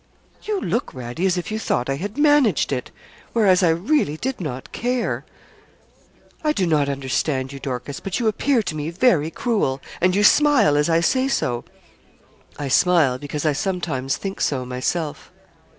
'You look, Radie, as if you thought I had managed it whereas I really did not care.' 'I do not understand you, Dorcas; but you appear to me very cruel, and you smile, as I say so.' 'I smile, because I sometimes think so myself.'